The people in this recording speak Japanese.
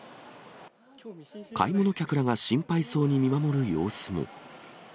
買い物客らが心配そうに見守る様子も。